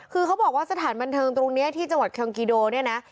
คือเขาบอกว่าสถานบันเทิงตรงนี้ที่จังหวัดเคิลกิโดเนี่ยนะ